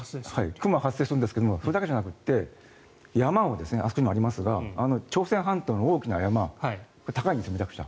雲が発生するんですがそれだけじゃなくてあそこに山がありますが朝鮮半島の大きな山高いんです、めちゃくちゃ。